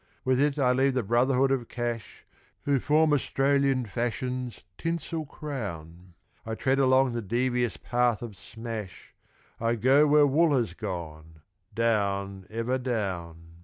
With it I leave the brotherhood of Cash Who form Australian Fashion's tinsel crown; I tread along the devious path of Smash, I go where wool has gone down, ever down.